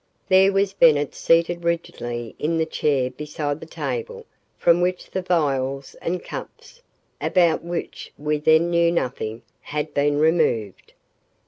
There was Bennett seated rigidly in the chair beside the table from which the vials and cups, about which we then knew nothing, had been removed.